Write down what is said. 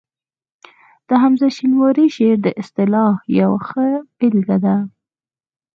د حمزه شینواري شعر د اصطلاح یوه ښه بېلګه ده